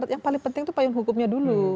yang paling penting itu payung hukumnya dulu